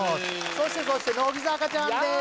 そして乃木坂ちゃんです！